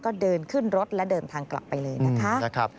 ก็เดินขึ้นรถและเดินทางกลับไปเลยนะคะ